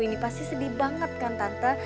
ini pasti sedih banget kan tante